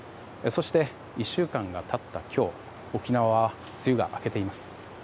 そして１週間が経った今日沖縄は梅雨が明けています。